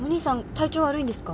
体調悪いんですか？